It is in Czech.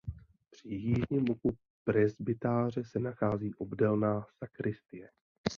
Při jižním boku presbytáře se nachází obdélná sakristie.